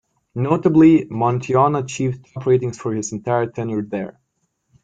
Notably, Montione achieved top ratings for his entire tenure there.